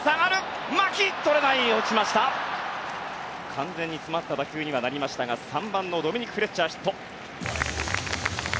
完全に詰まった打球にはなりましたが３番のドミニク・フレッチャーがヒット。